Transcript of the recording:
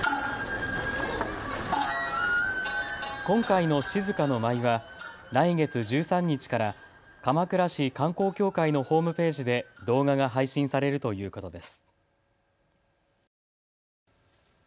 今回の静の舞は来月１３日から鎌倉市観光協会のホームページで動画が配信されるということです。